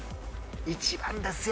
１番ですよ